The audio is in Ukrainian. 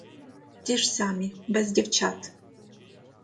Ті ж самі без дівчат.